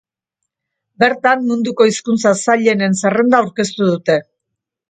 Bertan, munduko hizkuntza sailenen zerrenda aurkeztu dute.